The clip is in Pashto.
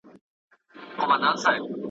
زما مي د سفر نیلی تیار دی بیا به نه وینو !.